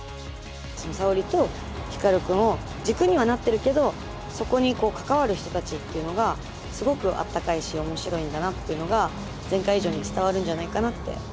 沙織と光くんを軸にはなってるけどそこに関わる人たちっていうのがすごくあったかいし面白いんだなっていうのが前回以上に伝わるんじゃないかなって思います。